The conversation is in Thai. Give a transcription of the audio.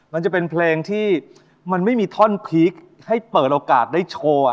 มันจะเป็นเพลงที่มันไม่มีท่อนพีคให้เปิดโอกาสได้โชว์